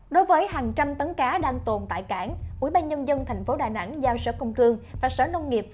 đối với hàng trăm tấn cá đang tồn tại cảng ủy ban nhân dân thành phố đà nẵng giao sở công thương và sở nông nghiệp